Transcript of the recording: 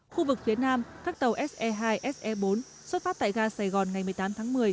khu vực phía nam các tàu se hai se bốn xuất phát tại ga sài gòn ngày một mươi tám tháng một mươi